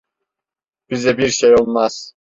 Bize bir şey olmaz.